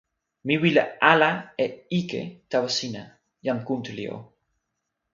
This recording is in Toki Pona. mi wile ala e ike tawa sina, jan Kuntuli o.